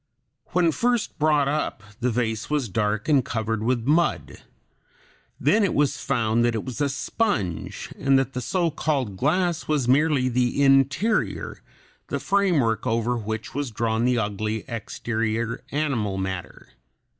When first brought up the vase was dark and covered with mud; then it was found that it was a sponge, and that the so called glass was merely the interior, the framework over which was drawn the ugly exterior animal matter.